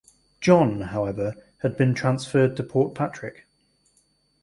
John however had been transferred to Portpatrick.